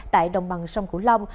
tại đồng bằng sông cửu long